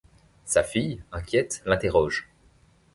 Sa fille, inquiète, l'interroge.